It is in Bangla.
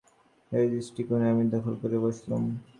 সেইদিনই পঞ্চুর জমি কিনে রেজেস্ট্রী করে আমি দখল করে বসলুম।